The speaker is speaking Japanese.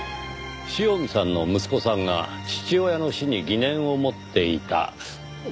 塩見さんの息子さんが父親の死に疑念を持っていたという事ですか？